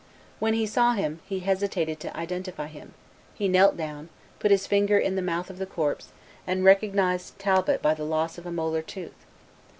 When he saw him, he hesitated to identify him; he knelt down, put his finger in the mouth of the corpse, and recognized Talbot by the loss of a molar tooth.